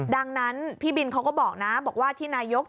ดังนั้นพี่บินเขาก็บอกนะบอกว่าที่นายก